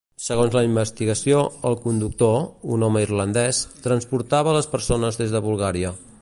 Segons la investigació, el conductor, un home irlandès, transportava les persones des de Bulgària.